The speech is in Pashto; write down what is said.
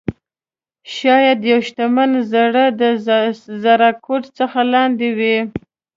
شاید یو شتمن زړه د زاړه کوټ څخه لاندې وي.